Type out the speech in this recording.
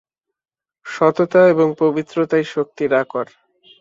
সততা এবং পবিত্রতাই শক্তির আকর।